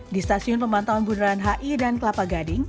di stasiun pemantauan bundaran hi dan kelapa gading